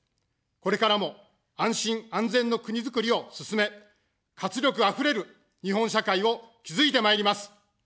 これからも、安心・安全の国づくりを進め、活力あふれる日本社会を築いてまいります。